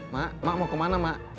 mak mak mau kemana mak